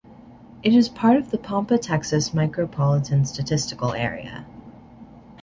It is part of the Pampa, Texas Micropolitan Statistical Area.